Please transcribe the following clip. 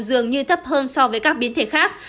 dường như thấp hơn so với các biến thể khác